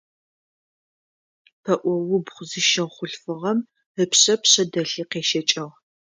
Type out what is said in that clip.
Пэӏо убгъу зыщыгъ хъулъфыгъэм ыпшъэ пшъэдэлъи къещэкӏыгъ.